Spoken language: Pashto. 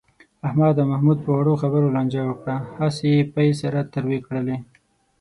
احمد او محمود په وړو خبرو لانجه وکړه. هسې یې پۍ سره تروې کړلې.